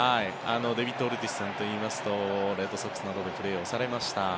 デビッド・オルティスさんといいますとレッドソックスなどでプレーをされました。